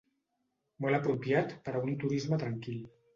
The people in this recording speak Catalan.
Molt apropiat per a un turisme tranquil.